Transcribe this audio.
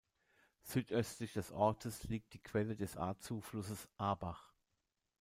Südöstlich des Ortes liegt die Quelle des Ahr-Zuflusses "Ahbach".